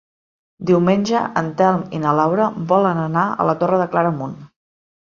Diumenge en Telm i na Laura volen anar a la Torre de Claramunt.